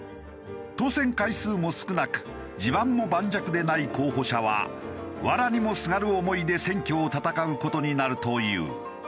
当選回数も少なく地盤も盤石でない候補者は藁にもすがる思いで選挙を戦う事になるという。